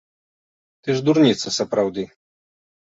Ты ж дурніца, сапраўды.